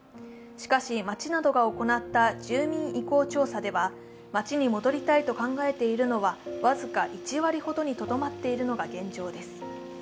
しかし、町などが行った住民意向調査では、町に戻りたいと考えているのは僅か１割ほどにとどまっているのが現状です。